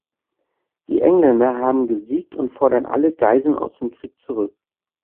Die Engländer haben gesiegt und fordern alle Geiseln aus dem Krieg zurück.